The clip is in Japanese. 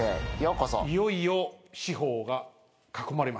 いよいよ。